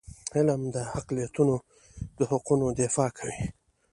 علم د اقلیتونو د حقونو دفاع کوي.